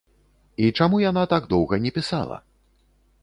І чаму яна так доўга не пісала?